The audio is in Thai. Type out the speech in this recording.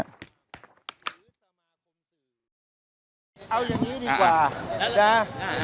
เอาอย่างนี้ดีกว่านะ